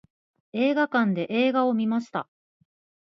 映画館で映画を観ました。